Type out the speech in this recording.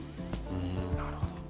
うんなるほど。